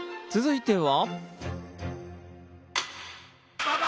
続いては。